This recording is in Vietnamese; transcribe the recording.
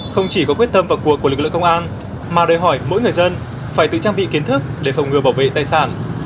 không chỉ có quyết tâm vào cuộc của lực lượng công an mà đòi hỏi mỗi người dân phải tự trang bị kiến thức để phòng ngừa bảo vệ tài sản